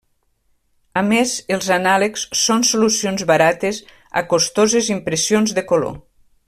A més els anàlegs són solucions barates a costoses impressions de color.